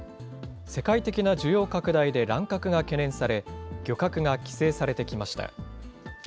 世界的な需要拡大で乱獲が懸念され、漁獲が規制されてきました。